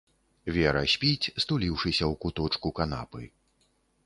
Вера спіць, стуліўшыся ў куточку канапы.